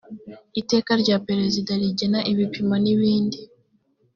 iteka rya perezida rigena ibipimo n ibindi